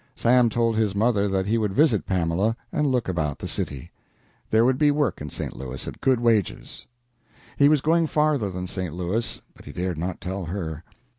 Sam told his mother that he would visit Pamela and look about the city. There would be work in St. Louis at good wages. He was going farther than St. Louis, but he dared not tell her.